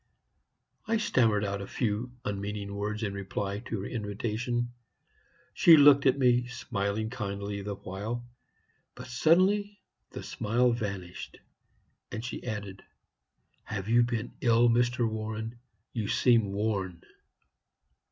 "I stammered out a few unmeaning words in reply to her invitation. She looked at me, smiling kindly the while; but suddenly the smile vanished, and she added, 'Have you been ill, Mr. Warren? You seem worn.'